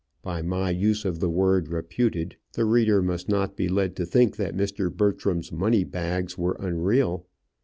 By my use of the word reputed, the reader must not be led to think that Mr. Bertram's money bags were unreal.